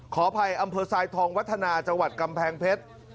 ขออภัยอำเภอทรายทองวัฒนาจังหวัดกำแพงเพชร